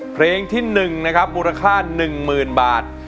เพลงที่๑นะครับมูลค่า๑๐๐๐บาท